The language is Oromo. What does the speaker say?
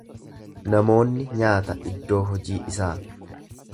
Namoonni nyaata iddoo hojii isaa.